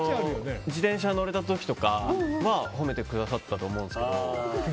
自転車に乗れた時とかは褒めてくださったと思いますけど。